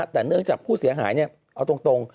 แต่เนื่องจากผู้เสียหายเอาตรง